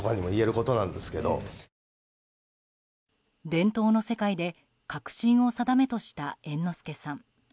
伝統の世界で革新をさだめとした猿之助さん。